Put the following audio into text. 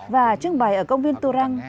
và trưng bày ở công viên tù răng